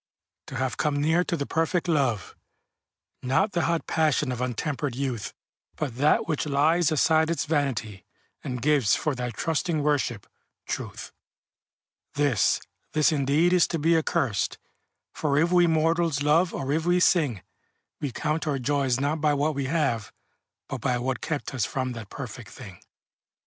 To have come near to the perfect love, Not the hot passion of untempered youth, But that which lies aside its vanity, And gives, for thy trusting worship, truth. This, this indeed is to be accursed, For if we mortals love, or if we sing, We count our joys not by what we have, But by what kept us from that perfect thing.